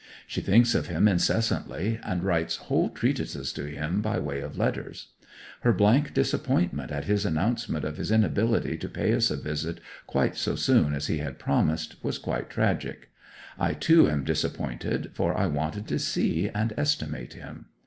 She thinks of him incessantly, and writes whole treatises to him by way of letters. Her blank disappointment at his announcement of his inability to pay us a visit quite so soon as he had promised, was quite tragic. I, too, am disappointed, for I wanted to see and estimate him.